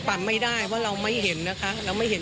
ทุกวันแต่ว่าเสียชีวิตจะไม่ค่อยมี